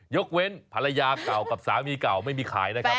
ยกเว้นภรรยาเก่ากับสามีเก่าไม่มีขายนะครับ